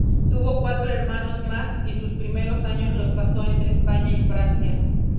Tuvo cuatro hermanos más, y sus primeros años los pasó entre España y Francia.